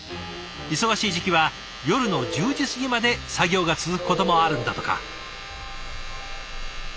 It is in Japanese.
忙しい時期は夜の１０時過ぎまで作業が続くこともあるんだとか。